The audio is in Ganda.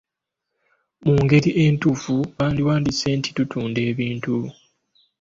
Mu ngeri entuufu bandiwandiise nti tutunda ebintu.